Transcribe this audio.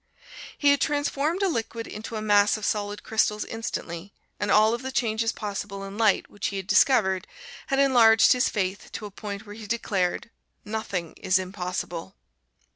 He had transformed a liquid into a mass of solid crystals instantly, and all of the changes possible in light, which he had discovered, had enlarged his faith to a point where he declared, "Nothing is impossible."